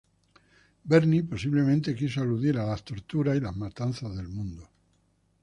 Berni posiblemente quiso aludir a las torturas y las matanzas del mundo.